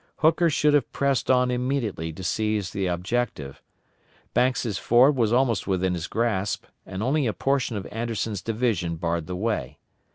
Hooker should have pressed on immediately to seize the objective. Banks' Ford was almost within his grasp, and only a portion of Anderson's division barred the way.